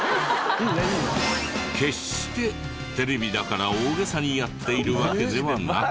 決してテレビだから大げさにやっているわけではなく。